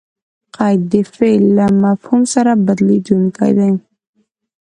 قید؛ د فعل له مفهوم سره بدلېدونکی دئ.